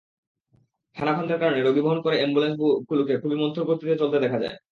খানাখন্দের কারণে রোগী বহন করা অ্যাম্বুলেন্সগুলোকে খুবই মন্থর গতিতে চলতে দেখা যায়।